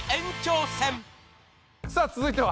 さあ続いては。